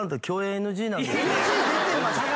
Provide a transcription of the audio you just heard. ＮＧ出てました？